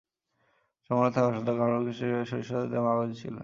সম্ভাবনা থাকা সত্ত্বেও রামুর কৃষকেরা সরিষা চাষে তেমন আগ্রহী ছিলেন না।